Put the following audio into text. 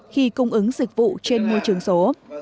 khi cung ứng dịch vụ trên môi trường số